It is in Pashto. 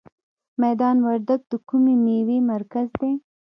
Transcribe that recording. میدان وردګ د کومې میوې مرکز دی؟